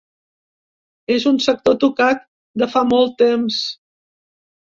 És un sector tocat de fa molt temps.